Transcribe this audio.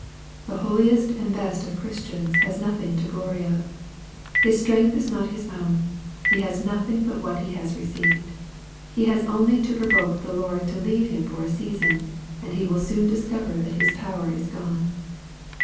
The holiest and best of Christians has nothing to glory of. His strength is not his own. He hae nothing but what he has received. He has only to provoke the Lord to leave him for a season, and he will soon discover that his power is gone.